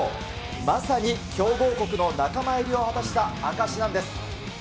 まさに強豪国の仲間入りを果たした証しなんです。